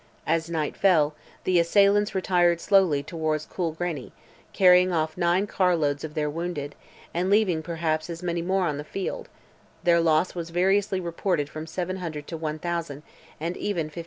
As night fell, the assailants retired slowly towards Coolgreney, carrying off nine carloads of their wounded, and leaving, perhaps, as many more on the field; their loss was variously reported from 700 to 1,000, and even 1,500.